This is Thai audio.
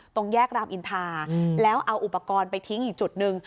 ตรงแยกรามอินทาแล้วเอาอุปกรณ์ไปทิ้งอีกจุดหนึ่ง